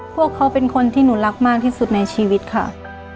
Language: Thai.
พวกเขาเป็นคนที่หนูรักมากที่สุดในชีวิตค่ะ